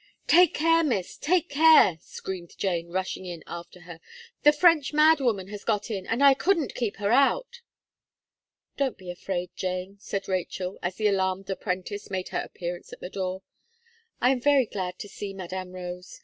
"Take care, Miss, take care," screamed Jane, rushing up after her, "the French madwoman has got in, and I couldn't keep her out." "Don't be afraid, Jane," said Rachel, as the alarmed apprentice made her appearance at the door, "I am very glad to see Madame Rose.